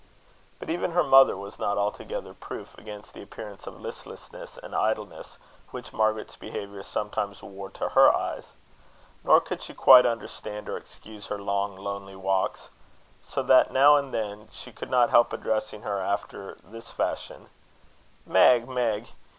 But even her mother was not altogether proof against the appearance of listlessness and idleness which Margaret's behaviour sometimes wore to her eyes; nor could she quite understand or excuse her long lonely walks; so that now and then she could not help addressing her after this fashion: "Meg! Meg!